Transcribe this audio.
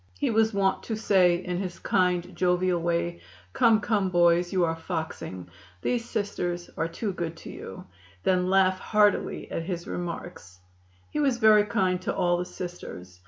He was wont to say in his kind, jovial way: "Come, come, boys, you are foxing; these Sisters are too good to you," then laugh heartily at his remarks. He was very kind to all the Sisters.